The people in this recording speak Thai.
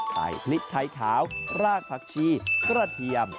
พริกไทยขาวรากผักชีกระเทียม